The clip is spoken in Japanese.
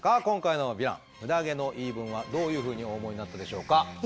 今回のヴィランムダ毛の言い分はどういうふうにお思いになったでしょうか？